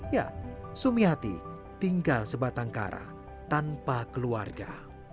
ya sumiati tinggal sebatang kara tanpa keluarga